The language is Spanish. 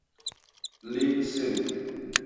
Le Sen